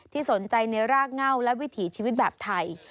สนใจในรากเง่าและวิถีชีวิตแบบไทย